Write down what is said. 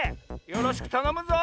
よろしくたのむぞ！